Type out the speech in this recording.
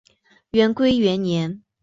元龟元年。